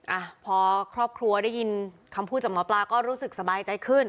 อ่ะพอครอบครัวได้ยินคำพูดจากหมอปลาก็รู้สึกสบายใจขึ้น